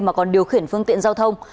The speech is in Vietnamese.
mà còn điều khiển phương tiện giao thông